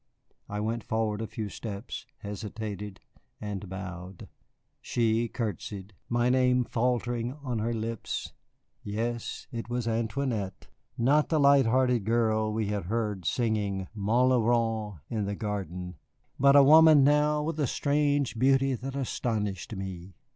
I went forward a few steps, hesitated, and bowed. She courtesied, my name faltering on her lips. Yes, it was Antoinette, not the light hearted girl whom we had heard singing "Ma luron" in the garden, but a woman now with a strange beauty that astonished me.